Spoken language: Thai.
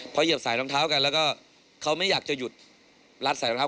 พอเหยียบใส่รองเท้ากันแล้วก็เขาไม่อยากจะหยุดรัดใส่รองเท้า